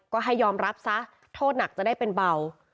ก็ให้ยอมรับซะโทษหนักจะได้เป็นเบา